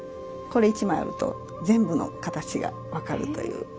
これ１枚あると全部の形が分かるという。